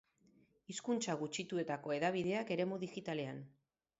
Hizkuntza gutxituetako hedabideak eremu digitalean.